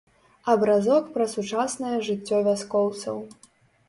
Абразок пра сучаснае жыццё вяскоўцаў.